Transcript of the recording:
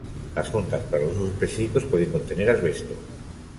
Las juntas para los usos específicos pueden contener asbesto.